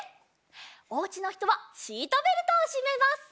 おうちのひとはシートベルトをしめます。